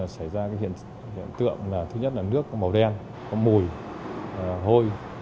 xảy ra hiện tượng là thứ nhất là nước có màu đen có mùi hôi